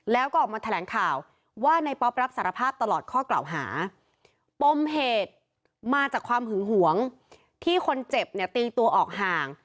แล้วก็ออกมาแถลงข่าวว่าในป๊อปรับสารภาพตลอดข้อกล่าวหาปมเหตุมาจากความหึงหวงที่คนเจ็บเนี่ยตีตัวออกห่าง